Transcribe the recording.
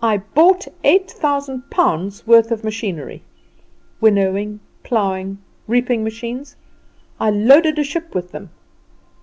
"I bought eight thousand pounds' worth of machinery winnowing, plowing, reaping machines; I loaded a ship with them.